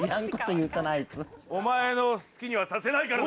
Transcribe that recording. お前の好きにはさせないからな。